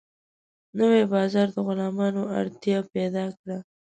نوی بازار د غلامانو اړتیا پیدا کړه.